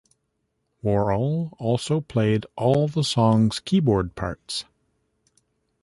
Worrell also played all the song's keyboard parts.